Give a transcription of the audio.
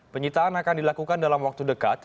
penyitaan akan dilakukan dalam waktu dekat